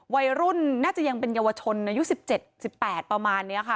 วัยรุ่นน่าจะยังเป็นเยาวชนอายุ๑๗๑๘ประมาณนี้ค่ะ